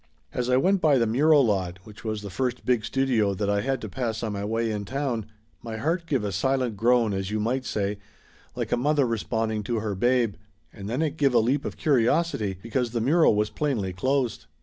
As I went by the Muro lot, which was the first big studio that I had to pass on my way in town, my heart give a silent groan as you might say, like a mother responding to her babe, and then it give a leap of curiosity, because the Muro was plainly closed.